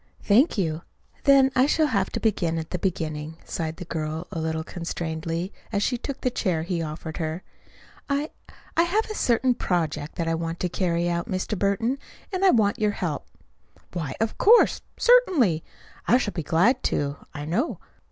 "Thank you. Then I shall have to begin at the beginning," sighed the girl a little constrainedly as she took the chair he offered her. "I I have a certain project that I want to carry out, Mr. Burton, and I I want your help." "Why, of course certainly. I shall be glad to, I know."